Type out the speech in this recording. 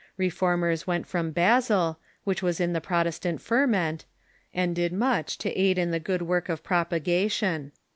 Reformers went from Basel, which was in the Protestant ferment, and did much to aid in the good work of propagation.